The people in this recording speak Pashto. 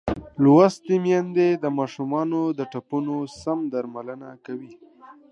لوستې میندې د ماشومانو د ټپونو سم درملنه کوي.